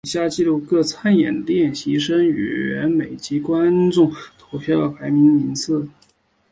以下记录各参演练习生成员每集观众投票排名名次。